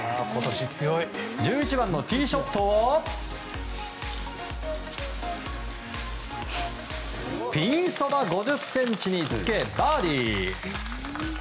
１１番のティーショットをピンそば５０ｃｍにつけバーディー。